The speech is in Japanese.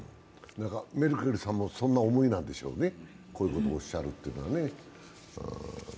メルケルさんもそんな思いなんでしょうね、こんなことをおっしゃるというのはね。